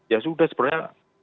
ya sudah sebenarnya